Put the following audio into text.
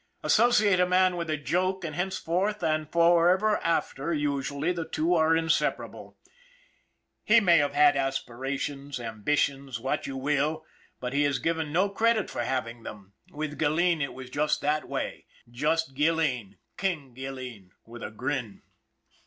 Associate a man with a joke and hencefor ward and forever after, usually, the two are insepara ble. He may have aspirations, ambitions, what you will, but he is given no credit for having them with THE BLOOD OF KINGS 187 Gilleen it was that way. Just Gilleen, " King " Gilleen and a grin.